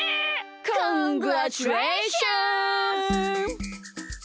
・コングラッチュレーション！